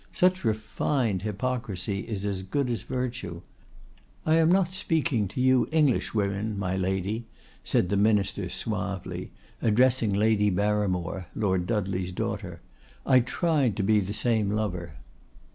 Such refined hypocrisy is as good as virtue.—I am not speaking to you Englishwomen, my lady," said the Minister, suavely, addressing Lady Barimore, Lord Dudley's daughter. "I tried to be the same lover.